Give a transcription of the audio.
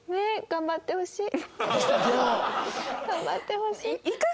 頑張ってほしい。